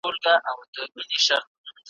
څو کوتري یې وې ښکار لره روزلي ,